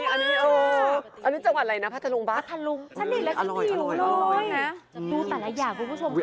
อันนี้จังหวัดไหนนะพัทธลุงป่ะอร่อยอร่อยดูแต่ละอย่างคุณผู้ชมครับ